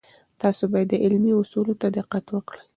تاسې باید د علمي اصولو ته دقت وکړئ.